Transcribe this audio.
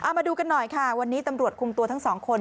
มาดูกันหน่อยค่ะวันนี้ตำรวจคุมตัวทั้งสองคน